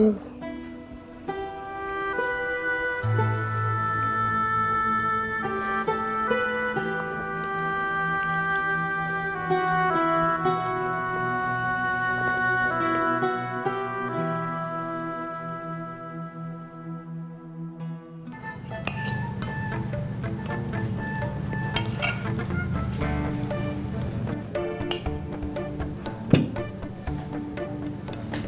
dan bisa menikmati